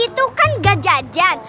itu kan nggak jajan